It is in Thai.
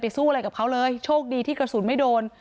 สู้อะไรกับเขาเลยโชคดีที่กระสุนไม่โดน